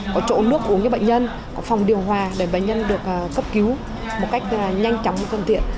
có chỗ nước uống cho bệnh nhân có phòng điều hòa để bệnh nhân được cấp cứu một cách nhanh chóng và thân thiện